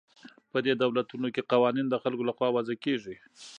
په دې دولتونو کې قوانین د خلکو له خوا وضع کیږي.